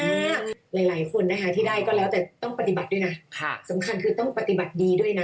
ถ้าหลายหลายคนนะคะที่ได้ก็แล้วแต่ต้องปฏิบัติด้วยนะสำคัญคือต้องปฏิบัติดีด้วยนะ